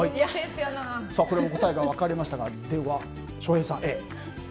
これも答えが分かれましたが翔平さん、Ａ。